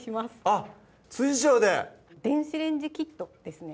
あっ調で「電子レンジキット」ですね